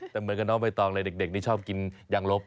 แต่เหมือนกับน้องใบตองเลยเด็กนี่ชอบกินยางลบ